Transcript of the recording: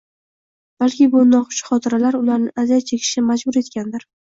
Balki bu noxush xotiralar ularni aziyat chekishga majbur etganidandir